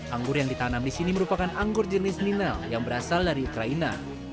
anggur yang ditanam di sini merupakan anggur jenis ninal yang berasal dari ukraina